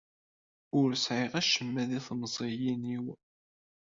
Ur sɛiɣ acemma deg temziyin-iw.